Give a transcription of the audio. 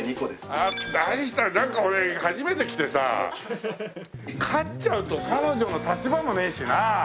あっ大したなんか俺初めて来てさ勝っちゃうと彼女の立場もねえしな。